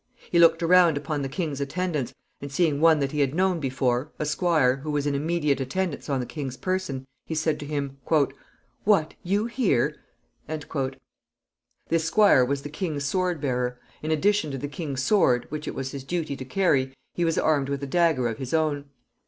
He looked around upon the king's attendants, and seeing one that he had known before, a squire, who was in immediate attendance on the king's person, he said to him, "What! You here?" This squire was the king's sword bearer. In addition to the king's sword, which it was his duty to carry, he was armed with a dagger of his own.